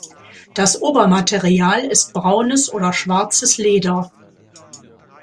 Das Obermaterial ist braunes oder schwarzes Leder.